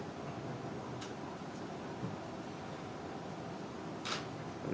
bisa bermain di piala dunia